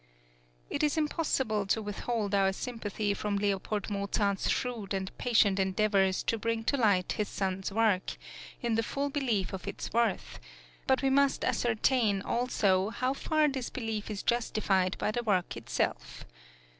It is impossible to withhold our sympathy from L. Mozart's shrewd and patient endeavours to bring to light his son's work, in the full belief of its worth; but we must ascertain also how far this belief is justified by the work itself.